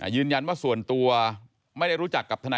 ยืนยันว่าส่วนตัวไม่ได้รู้จักกับทนาย